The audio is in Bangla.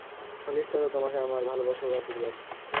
হলিস্টার ও তোমাকে আমার ভালবাসা ও আশীর্বাদ।